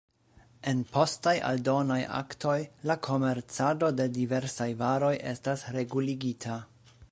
En postaj aldonaj aktoj la komercado de diversaj varoj estas reguligita.